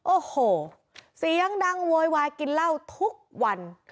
โอ้โหเสียงดังโวยวายกินเหล้าทุกวัน